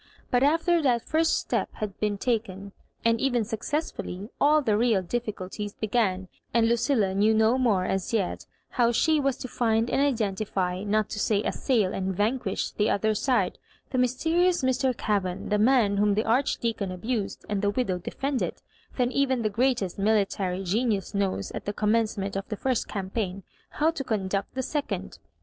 But after that first step had been taken, and even successfully, all the real di£B * culties began, and Lucilla knew no more as yet how she was to find and identify, not to say assail and vanquish, the other side, the mys terious Mr. Kavan, the man whom the Archdea con abused and the widow defended, than even the greatest military genius knows at the com mencement of the first campaign how to conduct the second.